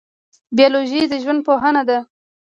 بیولوژي د ژوند پوهنه ده